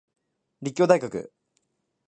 立教大学